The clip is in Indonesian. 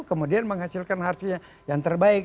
kemudian menghasilkan hardnya yang terbaik